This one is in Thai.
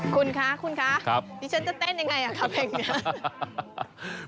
คุณคะคุณคะดิฉันจะเต้นยังไงคะเพลงนี้